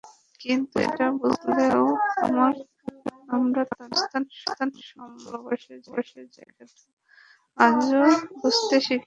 কিন্তু এটা বুঝলেও আমরা তাঁদের অবস্থান, সম্মান, ভালোবাসার জায়গাটা আজও বুঝতে শিখিনি।